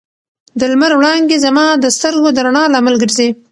د لمر وړانګې زما د سترګو د رڼا لامل ګرځي.